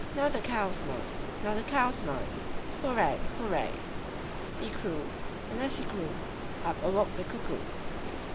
Now the cow's mine! Now the cow's mine! Hurrah! hurrah! he crew, and as he crew, up awoke the Cuckoo.